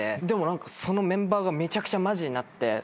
でもそのメンバーがめちゃくちゃマジになって。